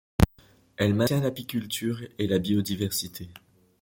Elle maintient l’apiculture et la biodiversité.